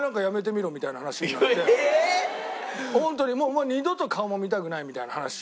「もう二度と顔も見たくない」みたいな話を。